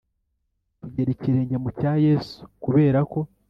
Tugera ikirenge mu cya Yesu kubera ko